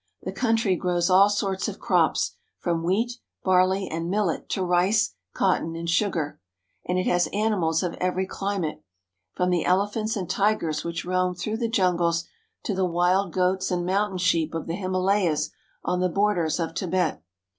The country grows all GENERAL VIEW OF INDIA 235 sorts of crops, from wheat, barley, and millet to rice, cotton, and sugar ; and it has animals of every climate, from the elephants and tigers which roam through the jungles to the wild goats and mountain sheep of the Hima layas on the borders of Tibet.